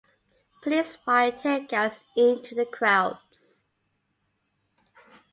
Police fired tear gas into the crowds.